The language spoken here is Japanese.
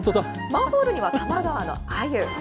マンホールには多摩川のアユ。